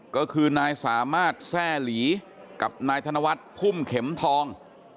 ก็คือนายสามารถแทร่หลีกับนายธนวัฒน์พุ่มเข็มทอง